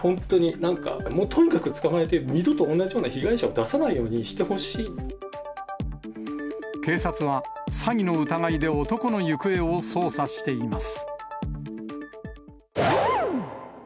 なんか、もうとにかく捕まえて、二度と同じような被害者を出さな警察は、詐欺の疑いで男の行方を捜査しています。